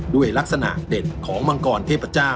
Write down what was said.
ด้วยลักษณะเด็ดของมังกรเทพเจ้า